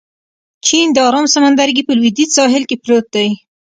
چین د ارام سمندرګي په لوېدیځ ساحل کې پروت دی.